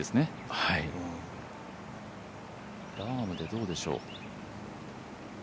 ラームでどうでしょう。